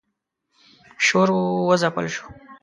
شور و ځپل شو.